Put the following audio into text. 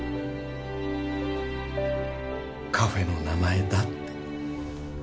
カフェの名前だって。